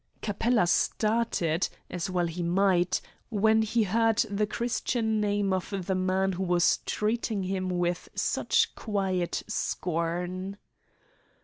Capella started, as well he might, when he heard the Christian name of the man who was treating him with such quiet scorn.